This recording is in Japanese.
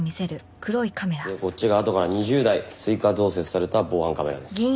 でこっちがあとから２０台追加増設された防犯カメラです。